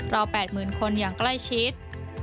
ราว๘หมื่นคนอย่างใกล้ชิด